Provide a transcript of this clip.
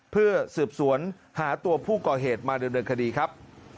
เพื่อสืบสวนหาตัวผู้ก่อเหตุมาดำเนินคดีครับ